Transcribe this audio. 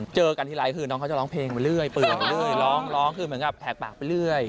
เจอกันทีหลายคือน้องเขาจะร้องเพลงไปเรื่อยร้องคือเหมือนแผลกปากไปเรื่อย